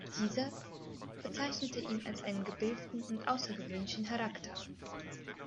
Dieser bezeichnete ihn als „einen gebildeten und außergewöhnlichen Charakter“.